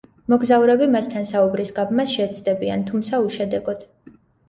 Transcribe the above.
მოგზაურები მასთან საუბრის გაბმას შეეცდებიან, თუმცა უშედეგოდ.